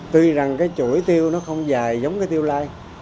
tuy rằng chuỗi tiêu không dài giống tiêu lai